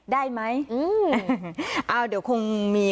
เดี๋ยวคงมี